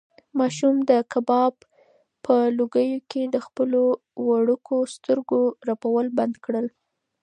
ماشوم د کباب په لوګیو کې د خپلو وړوکو سترګو رپول بند کړل.